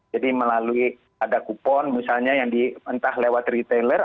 jadi melalui ada kupon misalnya yang entah lewat retailer